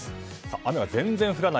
雨は全然降らない。